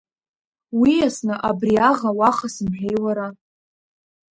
Уиасны абри аӷа уаха сымҳәеи уара!